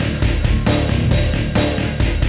abis itu merekaigi